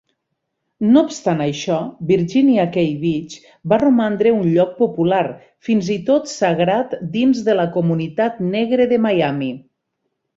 No obstant això, Virginia Key Beach va romandre un lloc popular, fins i tot sagrat dins de la comunitat negre de Miami.